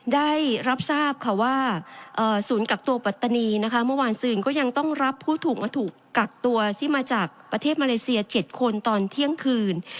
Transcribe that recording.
ได้รับทราบค่ะว่าศูนย์กักตัวปัตตานีนะคะเมื่อวานซืนก็ยังต้องรับผู้ถูกมาถูกกักตัวที่มาจากประเทศมาเลเซีย๗คนตอนเที่ยงคืน